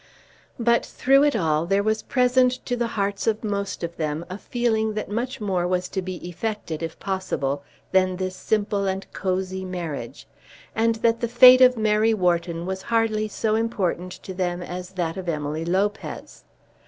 But, through it all, there was present to the hearts of most of them a feeling that much more was to be effected, if possible, than this simple and cosy marriage, and that the fate of Mary Wharton was hardly so important to them as that of Emily Lopez.